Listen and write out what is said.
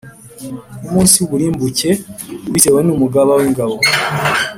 nk’umunsi w’uburimbuke, butewe n’Umugaba w’ingabo.